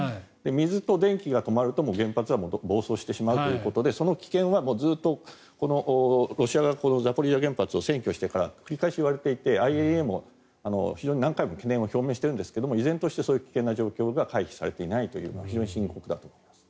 水と電気が止まると原発は暴走してしまうということでその危険はずっとロシア側がザポリージャ原発を占拠してから繰り返し言われていてＩＡＥＡも非常に何回も懸念を表明しているんですが依然としてそういう危険な状況が回避されていないというのは非常に深刻だと思います。